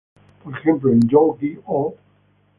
Por ejemplo, en "Yu-Gi-Oh!